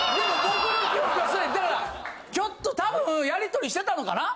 だからひょっと多分やり取りしてたのかな？